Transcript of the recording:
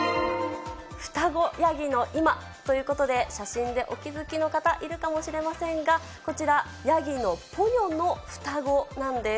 双子ヤギの今ということで、写真でお気付きの方、いるかもしれませんが、こちら、ヤギのポニョの双子なんです。